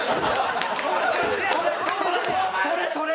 それそれ！